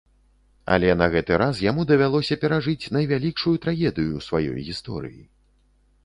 Але на гэты раз яму давялося перажыць найвялікшую трагедыю ў сваёй гісторыі.